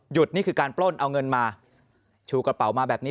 นี่คือการปล้นเอาเงินมาชูกระเป๋ามาแบบนี้